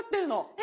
え